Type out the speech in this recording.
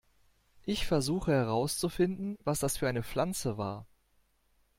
Ich versuche, herauszufinden, was das für eine Pflanze war.